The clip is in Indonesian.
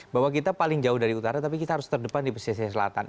bahwa kita paling jauh dari utara tapi kita harus terdepan di pesisir selatan